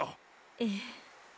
ええ。